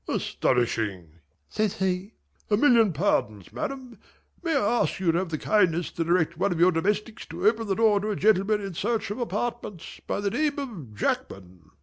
"Astonishing!" says he. "A million pardons! Madam, may I ask you to have the kindness to direct one of your domestics to open the door to a gentleman in search of apartments, by the name of Jackman?"